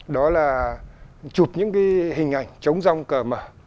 đó là chụp những hình ảnh chống dòng cờ mở